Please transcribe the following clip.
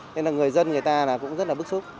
nên là người dân người ta là cũng rất là bức xúc